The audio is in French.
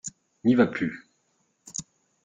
N’y va plus.